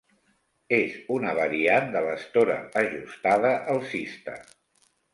És una variant de l'Estora ajustada alcista.